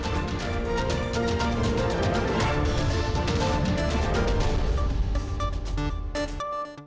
pertanyaan yang paling penting